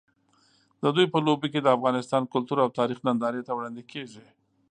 د دوی په لوبو کې د افغانستان کلتور او تاریخ نندارې ته وړاندې کېږي.